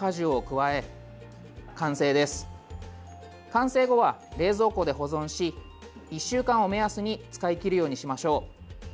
完成後は、冷蔵庫で保存し１週間を目安に使い切るようにしましょう。